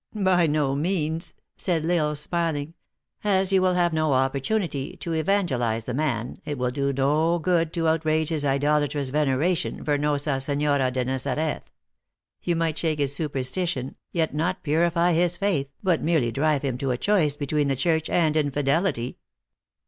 " By no means," said L Isle, smiling. " As you will have no opportunity to evangelize the man, it will do no good to outrage his idolatrous veneration for JVossa Senhora de Nazareth f You might shake his superstition, yet not purify his faith, but merely drive him to a choice between the church and in fidelity.